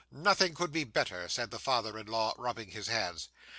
'Nothing could be better,' said the father in law, rubbing his hands.